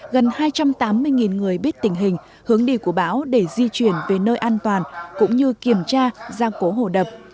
gần hai trăm tám mươi người biết tình hình hướng đi của bão để di chuyển về nơi an toàn cũng như kiểm tra giang cố hồ đập